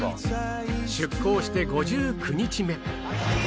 出港して５９日目